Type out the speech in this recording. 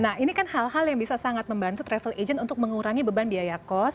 nah ini kan hal hal yang bisa sangat membantu travel agent untuk mengurangi beban biaya cost